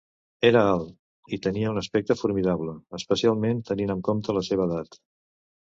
Era alt i tenia un aspecte formidable especialment tenint en compte la seva edat.